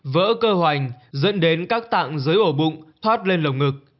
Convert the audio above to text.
vỡ cơ hoành dẫn đến các tạng dưới ổ bụng thoát lên lồng ngực